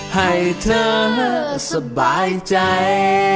ให้เธอสบายใจ